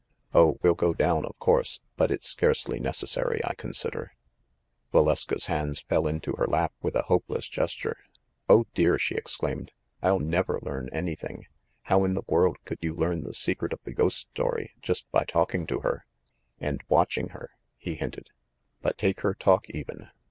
"Oh, we'll go down, of course; but it's scarcely necessary, I consider." Valeska's hands fell into her lap with a hopeless gesture. "Oh, dear !" she exclaimed. "I'll never learn anything! How in the world could you learn the secret of the ghost story, just by talking to her?" "And watching her?" he hinted. "But take her talk, even.